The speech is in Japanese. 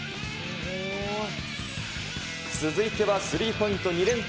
続いてはスリーポイント２連発。